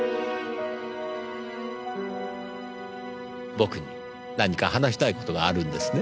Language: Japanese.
僕に何か話したい事があるんですね？